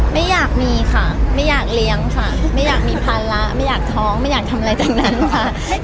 ไม่อยากมีค่ะไม่อยากเลี้ยงค่ะไม่อยากมีภาระไม่อยากท้องไม่อยากทำอะไรทั้งนั้นค่ะ